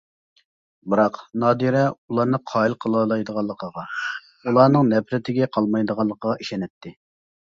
بىراق، نادىرە ئۇلارنى قايىل قىلالايدىغانلىقىغا، ئۇلارنىڭ نەپرىتىگە قالمايدىغانلىقىغا ئىشىنەتتى.